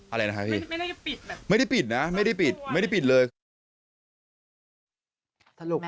อะไรนะคะพี่ไม่ได้ปิดไม่ได้ปิดนะไม่ได้ปิดไม่ได้ปิดเลย